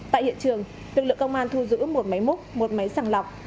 tại hiện trường tương lượng công an thu giữ một máy múc một máy sẳng lọc